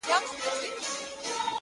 ما خو خپل زړه هغې ته وركړى ډالۍ;